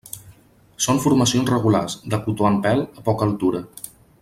Són formacions regulars, de cotó en pèl, a poca altura.